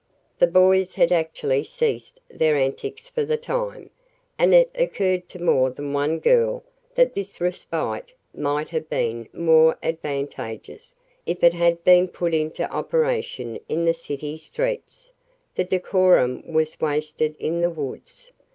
The boys had actually ceased their antics for the time, and it occurred to more than one girl that this respite might have been more advantageous if it had been put into operation in the city streets the decorum was wasted in the woods.